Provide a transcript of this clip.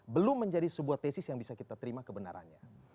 belum menjadi sebuah tesis yang bisa kita terima kebenarannya